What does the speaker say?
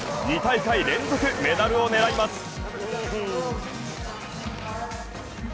２大会連続メダルを狙います。